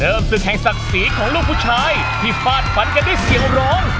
ศึกแห่งศักดิ์ศรีของลูกผู้ชายที่ฟาดฝันกันด้วยเสียงร้อง